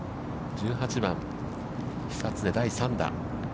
１８番、久常、第３打。